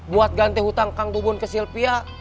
buat ganti hutang kang bubun ke silvia